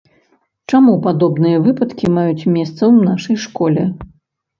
Чаму падобныя выпадкі маюць месца ў нашай школе?